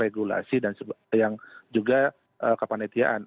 regulasi dan juga kepanetiaan